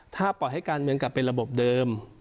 ถ้าปล่อยให้การเมืองกลับเป็นระบบเดิม